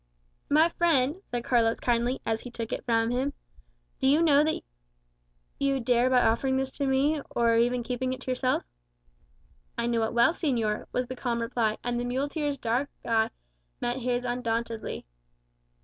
"My friend," said Carlos kindly, as he took it from him, "do you know what you dare by offering this to me, or even by keeping it yourself?" "I know it well, señor," was the calm reply; and the muleteer's dark eye met his undauntedly.